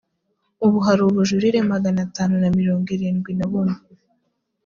ubu hari ubujurire magana atanu na mirongo irindwi na bumwe